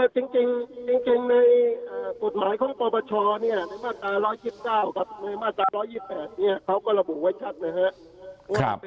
จริงในกฎหมายของปปชในมาตรา๑๒๙กับในมาตรา๑๒๘เขาก็ระบุไว้ชัดนะครับ